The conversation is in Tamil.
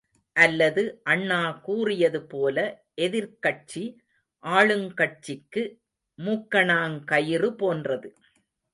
அல்லது அண்ணா கூறியது போல, எதிர்க்கட்சி, ஆளுங்கட்சிக்கு மூக்கணாங்கயிறு போன்றது.